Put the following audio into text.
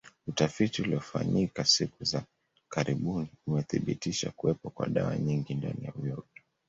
Utafiti uliofanyika siku za karibuni umethibitisha kuwepo kwa dawa nyingi ndani ya uyoga